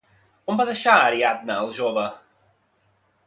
On va deixar a Ariadna el jove?